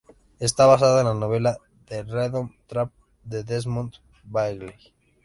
Está basada en la novela "The Freedom Trap" de Desmond Bagley.